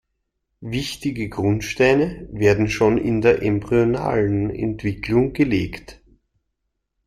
Wichtige Grundsteine werden schon in der embryonalen Entwicklung gelegt.